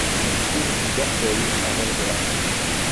Cours du Berteuil à Valréas